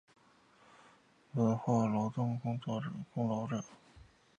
文化功劳者。